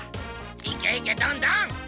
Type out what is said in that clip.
いけいけどんどん！